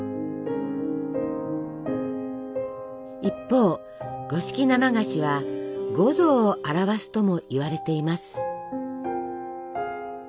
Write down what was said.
一方五色生菓子は五臓を表すともいわれています。